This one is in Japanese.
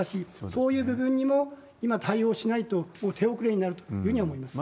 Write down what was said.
そういう部分にも、今対応しないともう手遅れになるというふうには思います。